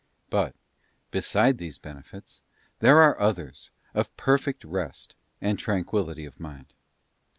But, beside these benefits, there are others of perfect rest and tranquillity of mind.